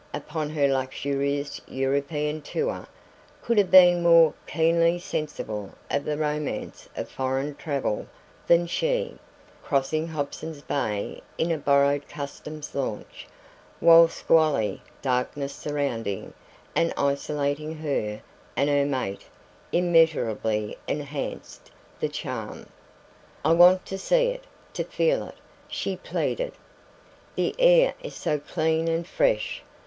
upon her luxurious European tour, could have been more keenly sensible of the romance of foreign travel than she, crossing Hobson's Bay in a borrowed Customs launch; while the squally darkness surrounding and isolating her and her mate immeasurably enhanced the charm. "I want to see it to feel it!" she pleaded. "The air is so clean and fresh!